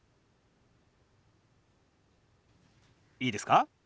いいですか？